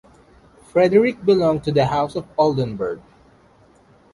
Frederick belonged to the House of Oldenburg.